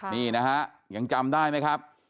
นี่นะฮะยังจำได้ไหมครับ